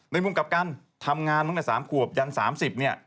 มุมกับการทำงานตั้งแต่๓ขวบยัน๓๐เนี่ย